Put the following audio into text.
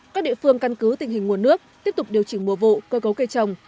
các địa phương căn cứ tình hình nguồn nước tiếp tục điều chỉnh mùa vụ cơ cấu cây trồng